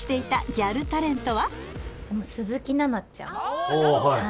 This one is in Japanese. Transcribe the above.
ギャルタレント